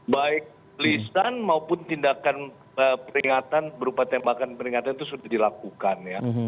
baik lisan maupun tindakan peringatan berupa tembakan peringatan itu sudah dilakukan ya